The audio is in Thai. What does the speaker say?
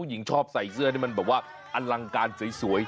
ผู้หญิงชอบใส่เสื้อเนี่ยมันอลังกาลสวย